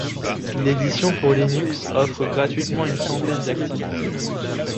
L'édition pour Linux offre gratuitement une centaine d'activités.